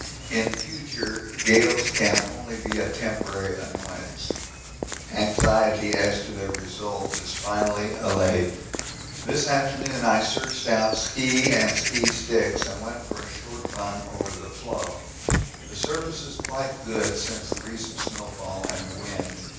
In future gales can only be a temporary annoyance anxiety as to their result is finally allayed. This afternoon I searched out ski and ski sticks and went for a short run over the floe. The surface is quite good since the recent snowfall and wind.